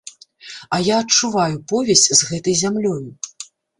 А я адчуваю повязь з гэтай зямлёю.